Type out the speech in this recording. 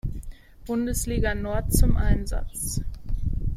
Bundesliga Nord" zum Einsatz.